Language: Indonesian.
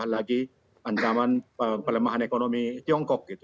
lagi ancaman pelemahan ekonomi tiongkok gitu